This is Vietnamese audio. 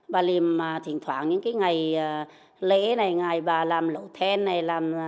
bà lìm thỉnh thoảng những cái ngày lễ này ngày bà làm lậu then này